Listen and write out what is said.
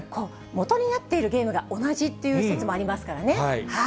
もとになってるゲームが同じという説もありますからね。